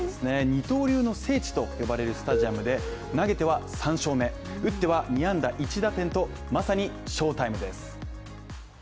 二刀流の聖地と呼ばれるスタジアムで投げては３勝目打っては２安打１打点と、まさに翔タイムです。